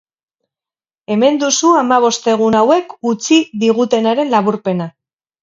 Hemen duzu hamabost egun hauek utzi digutenaren laburpena.